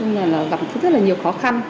nó gặp rất là nhiều khó khăn